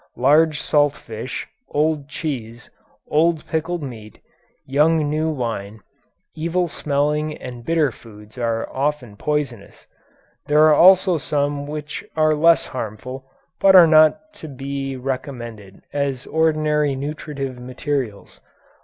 Large salt fish, old cheese, old pickled meat, young new wine, evil smelling and bitter foods are often poisonous. There are also some which are less harmful, but are not to be recommended as ordinary nutritive materials.